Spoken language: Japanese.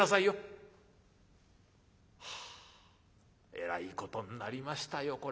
はあえらいことになりましたよ